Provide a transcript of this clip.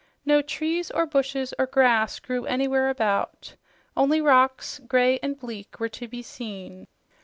No trees or bushes or grass grew anywhere about; only rocks, gray and bleak, were to be seen.